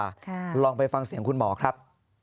ลองไปฟังเสียงคุณหมอครับ